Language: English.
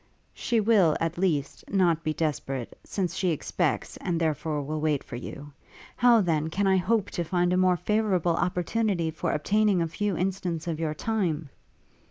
'She will, at least, not be desperate, since she expects, and therefore will wait for you; how, then, can I hope to find a more favourable opportunity, for obtaining a few instants of your time?'